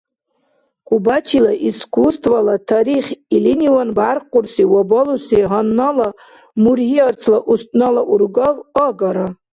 Кубачила искусствола тарих илиниван бяркъурси ва балуси гьаннала мургьи-арцла устнала ургав агара.